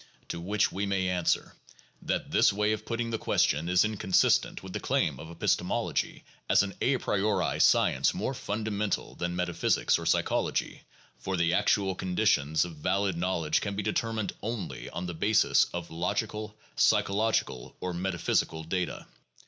To which we may answer, that this way of putting the question is inconsistent with the claim of epistemology as an a priori science more fundamental than metaphysics or psy chology, for the actual conditions of valid knowledge can be deter mined only on the basis of logical, psychological, or metaphysical data.